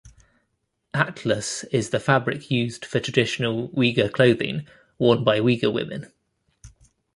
Atlas is the fabric used for traditional Uyghur clothing worn by Uyghur women.